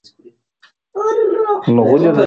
شریف په انګړ کې د خپلې مېرمنې لپاره چای دم کړ.